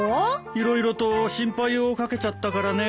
色々と心配をかけちゃったからね。